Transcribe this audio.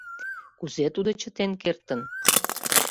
Кузе тудо чытен кертын?